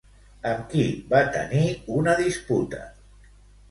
Amb qui va tenir una disputa?